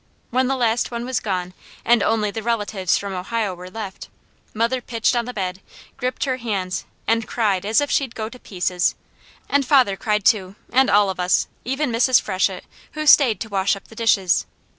When the last one was gone, and only the relatives from Ohio were left, mother pitched on the bed, gripped her hands and cried as if she'd go to pieces, and father cried too, and all of us, even Mrs. Freshett, who stayed to wash up the dishes.